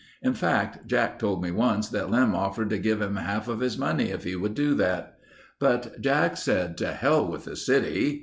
In fact, Jack told me once that Lem offered to give him half of his money if he would do that. But Jack said, to hell with the city.